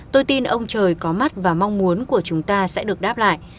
tôi tin ông trời có mắt và mong muốn của chúng ta sẽ được đáp lại